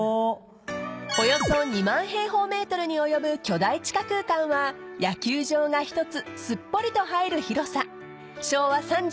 ［およそ２万平方ｍに及ぶ巨大地下空間は野球場が１つすっぽりと入る広さ］